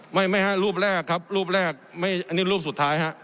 ไม่ไม่ฮะรูปแรกครับรูปแรกไม่อันนี้รูปสุดท้ายฮะ